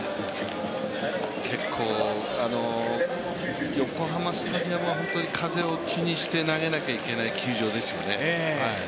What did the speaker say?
結構、横浜スタジアムは本当に風を気にして投げなきゃいけない球場ですよね。